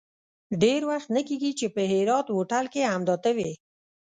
ډېر وخت نه کېږي چې په هرات هوټل کې همدا ته وې.